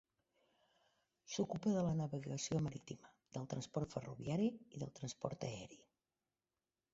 S'ocupa de la navegació marítima, del transport ferroviari i del transport aeri.